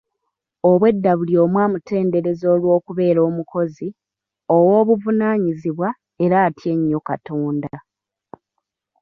Obwedda buli omu amutendereza olw'okubeera omukozi, ow'obuvunaanyizibwa era atya ennyo Katonda.